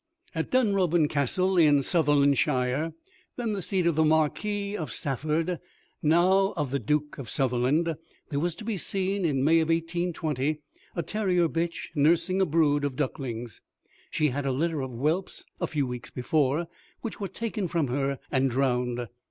At Dunrobin Castle, in Sutherlandshire (then the seat of the Marquis of Stafford now of the Duke of Sutherland), there was to be seen, in May 1820, a terrier bitch nursing a brood of ducklings. She had a litter of whelps a few weeks before, which were taken from her and drowned.